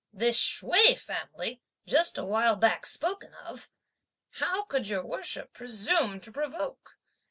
This Hsüeh family, just a while back spoken of, how could your worship presume to provoke?